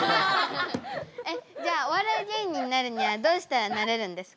えっじゃあお笑い芸人になるにはどうしたらなれるんですか？